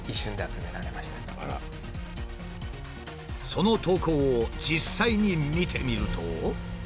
その投稿を実際に見てみると。